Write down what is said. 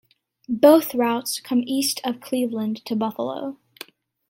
Both routes come east out of Cleveland to Buffalo.